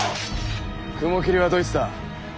雲霧はどいつだ？